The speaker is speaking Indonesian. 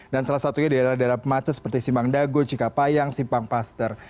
dan salah satunya di daerah daerah pemacet seperti simang dago cikapayang simpangpaster